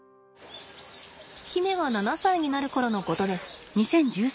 媛が７歳になる頃のことです。